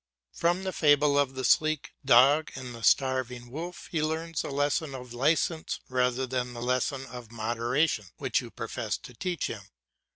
From the fable of the sleek dog and the starving wolf he learns a lesson of licence rather than the lesson of moderation which you profess to teach him.